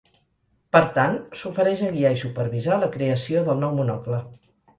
Per tant, s'ofereix a guiar i supervisar la creació del nou Monocle.